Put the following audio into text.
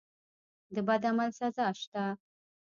د بد عمل سزا شته.